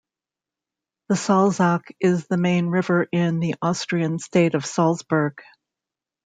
The Salzach is the main river in the Austrian state of Salzburg.